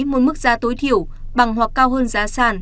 một mức giá tối thiểu bằng hoặc cao hơn giá sản